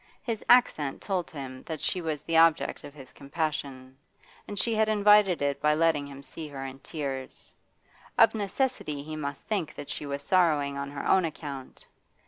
His accent told her that she was the object of his compassion, and she had invited it by letting him see her tears. Of necessity he must think that she was sorrowing on her own account.